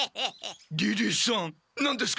リリーさん何ですか？